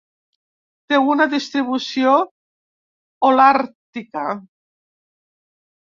Té una distribució holàrtica.